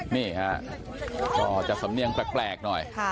นี่ฮะก็จะสำเนียงแปลกหน่อย